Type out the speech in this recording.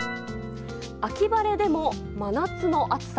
秋晴れでも真夏の暑さ。